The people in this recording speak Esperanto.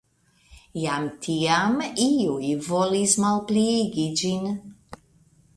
Jam tiam iuj volis malpliigi ĝin.